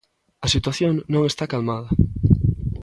A situación non está calmada.